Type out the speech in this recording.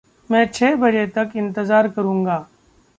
मैं छह बजे तक इंतज़ार करूँगा।